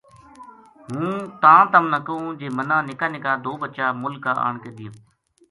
ہوں تاں تمنا کہوں جی منا نِکا نِکا دو بچا مل کا آن کے دیوں